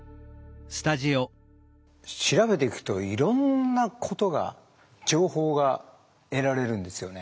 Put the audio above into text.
調べていくといろんなことが情報が得られるんですよね。